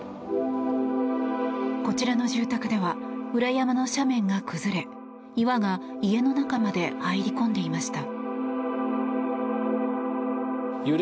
こちらの住宅では裏山の斜面が崩れ岩が、家の中まで入り込んでいました。